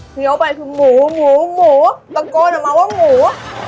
ี้ยวไปคือหมูหมูหมูตะโกนออกมาว่าหมู